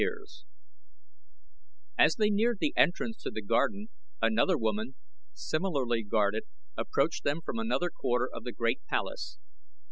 As they neared the entrance to the garden another woman, similarly guarded, approached them from another quarter of the great palace.